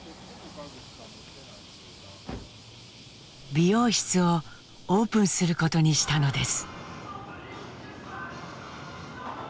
美容室をオープンすることにしたのです。